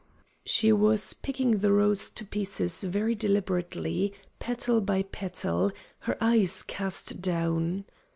She was picking the rose to pieces very deliberately, petal by petal, her eyes cast down.